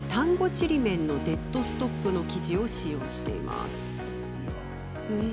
ボディーには丹後ちりめんのデッドストックの生地を使用しています。